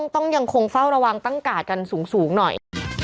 ต้องยังคงเฝ้าระวังตั้งกาดกันสูงหน่อย